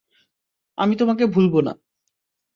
আমি তোমাকে ভুলবো না!